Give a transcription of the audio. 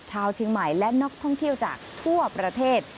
ชาวเชียงใหม่และนักท่องเที่ยวจากทั่วประเทศ